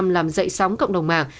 làm dậy sóng cộng đồng mạng